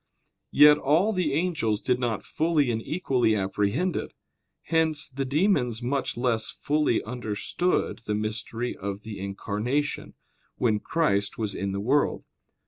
Yet all the angels did not fully and equally apprehend it; hence the demons much less fully understood the mystery of the Incarnation, when Christ was in the world.